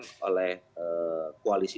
dibangun oleh koalisi